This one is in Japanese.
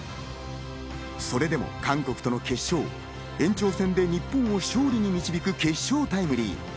それでも韓国との決勝、延長戦で日本を勝利に導く決勝タイムリー。